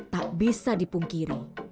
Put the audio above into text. tak bisa dipungkiri